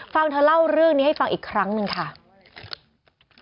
ฟังเธอเล่าเรื่องนี้ให้ฟังอีกครั้งหนึ่งค่ะ